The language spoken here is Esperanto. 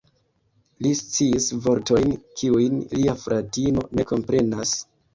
Li sciis vortojn, kiujn lia fratino ne komprenas.